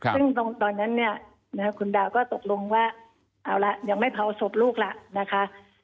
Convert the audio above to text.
ซึ่งตอนนั้นเนี่ยคุณดาวก็ตกลงว่าเอาละยังไม่เผาศพลูกแล้วนะคะ